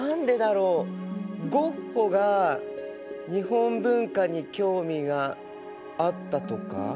ゴッホが日本文化に興味があったとか？